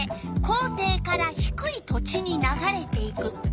「校庭からひくい土地にながれていく」。